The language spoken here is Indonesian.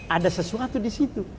ada sesuatu disitu